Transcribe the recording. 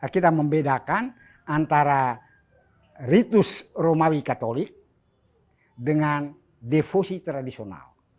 kita membedakan antara ritus romawi katolik dengan defosi tradisional